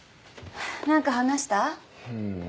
何か話した？